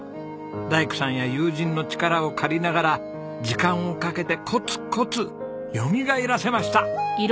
大工さんや友人の力を借りながら時間をかけてコツコツよみがえらせました。